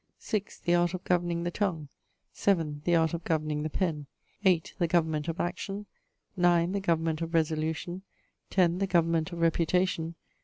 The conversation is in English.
6. The Art of Governing the Tongue. 7. The Art of Governing the Penn. 8. The Government of Action. 9. The Government of Resolution. 10. The Government of Reputation.